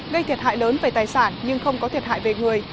gây thiệt hại lớn về tài sản nhưng không có thiệt hại về người